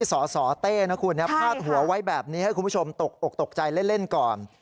สสเต้นะคุณพาดหัวไว้แบบนี้ให้คุณผู้ชมตกอกตกใจเล่นก่อน